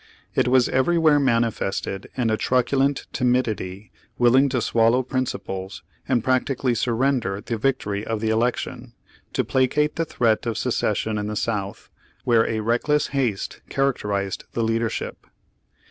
It was everywhere manifested in a truculent timidity willing to swallow principles, and prac tically surrender the victory of the election, to placate the threat of secession in the South, where a reckless haste characterized the leadership.